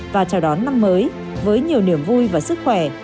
và chào đón năm mới với nhiều niềm vui và sức khỏe